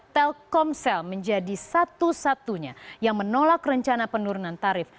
telkomsel menjadi satu satunya yang menolak rencana penurunan tarif